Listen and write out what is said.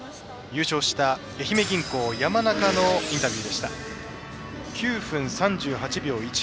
優勝した愛媛銀行山中のインタビューでした。